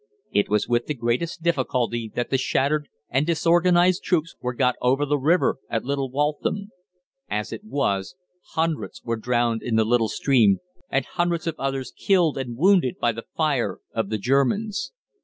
It was with the greatest difficulty that the shattered and disorganised troops were got over the river at Little Waltham. As it was, hundreds were drowned in the little stream, and hundreds of others killed and wounded by the fire of the Germans.